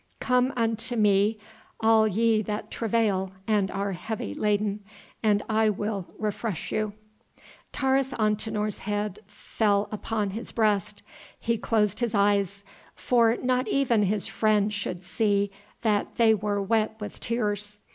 "Come unto Me all ye that travail and are heavy laden and I will refresh you." Taurus Antinor's head fell upon his breast. He closed his eyes, for not even his friend should see that they were wet with tears.